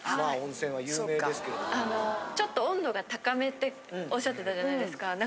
ちょっと温度が高めっておっしゃってたじゃないですか。